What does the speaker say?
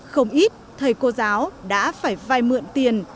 không ít thầy cô giáo đã phải vai mượn tiền